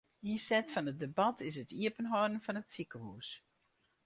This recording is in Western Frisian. Ynset fan it debat is it iepenhâlden fan it sikehûs.